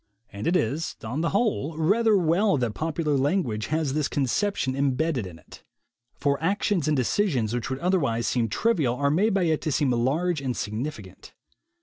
And it is, on the whole, rather well that popular language has this conception imbedded in it. For actions and decisions which would otherwise seem trivial are made by it to seem large and significant.